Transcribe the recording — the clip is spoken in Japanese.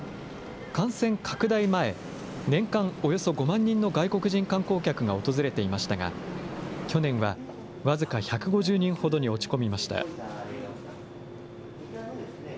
感染拡大前、年間およそ５万人の外国人観光客が訪れていましたが、去年は僅か１５０人ほどに落ち込みました。